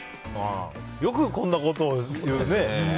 よくこんなことを言うね。